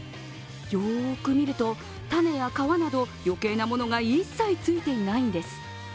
よく見ると、種や皮など余計なものが一切ついていないんです。